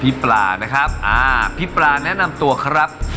พี่ปลานะครับอ่าพี่ปลาแนะนำตัวครับ